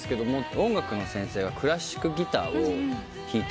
音楽の先生がクラシックギターを弾いてて。